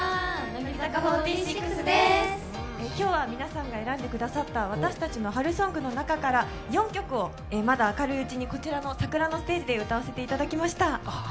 今日は皆さんが選んでくださった皆さんの春ソングの中から４曲を、まだ明るいうちにこちらの桜のステージで歌わせていただきました。